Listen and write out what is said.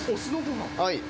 はい。